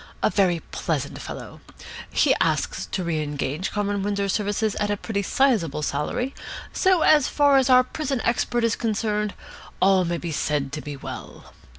A very pleasant fellow. He asks to re engage Comrade Windsor's services at a pretty sizeable salary, so, as far as our prison expert is concerned, all may be said to be well.